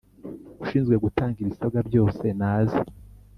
ushinzwe gutanga ibisabwa byose naze